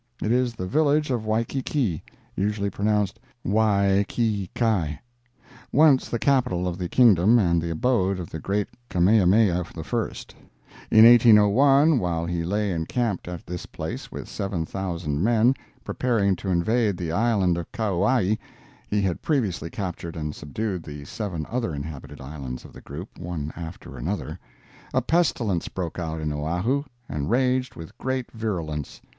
It is the village of Waikiki (usually pronounced Wy kee ky), once the Capital of the kingdom and the abode of the great Kamehameha I. In 1801, while he lay encamped at this place with seven thousand men, preparing to invade the island of Kau[a]i (he had previously captured and subdued the seven other inhabited islands of the group, one after another), a pestilence broke out in Oahu and raged with great virulence.